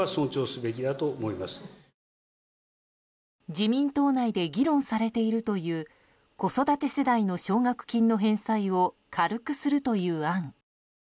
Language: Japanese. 自民党内で議論されているという子育て世代の奨学金の返済を軽くするという案。